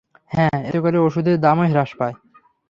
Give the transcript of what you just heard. হ্যাঁ, এতে করে ওষুধের দামও হ্রাস পায়!